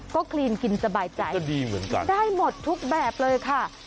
ก็คลีนกินสบายใจได้หมดทุกแบบเลยค่ะ